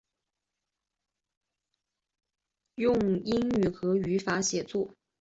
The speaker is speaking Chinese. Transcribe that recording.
用英语和法语写作。